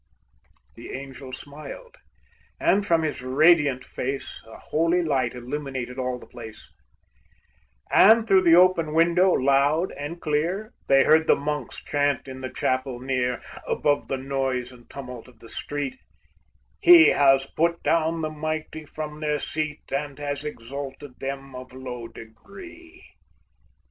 The Angel smiled, and from his radiant face A holy light illumined all the place, And through the open window, loud and clear, They heard the monks chant in the chapel near, Above the noise and tumult of the street: "He has put down the mighty from their seat, And has exalted them of low degree!"